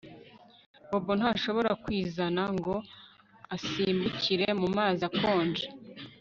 Bobo ntashobora kwizana ngo asimbukire mumazi akonje